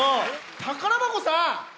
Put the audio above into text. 宝箱さん！